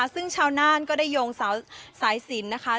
ซึ่งชาวน่านก็ได้โยงสายสินนะคะ